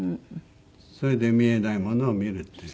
それで見えないものを見るっていう。